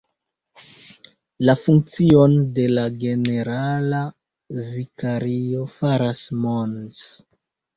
La funkcion de la generala vikario faras Mons.